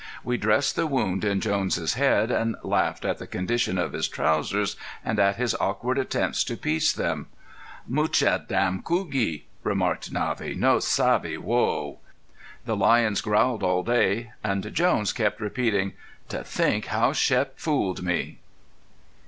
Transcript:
We dressed the wound in Jones' head and laughed at the condition of his trousers and at his awkward attempts to piece them. "Mucha dam cougie," remarked Navvy. "No savvy whoa!" The lions growled all day. And Jones kept repeating: "To think how Shep fooled me!"